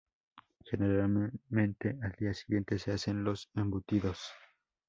Generalmente al día siguiente se hacen los embutidos.